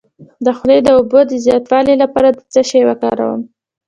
د خولې د اوبو د زیاتوالي لپاره څه شی وکاروم؟